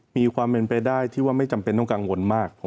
มีความเป็นไปได้ที่ว่าไม่จำเป็นต้องกังวลมาก